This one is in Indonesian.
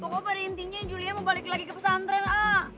bapak berhenti nya julia mau balik lagi ke pesantren aaa